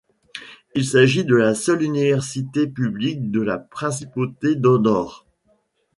Il s'agit de la seule université publique de la Principauté d'Andorre.